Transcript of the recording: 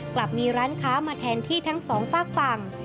กลับมีร้านค้ามาแทนที่ทั้งสองฝากฝั่ง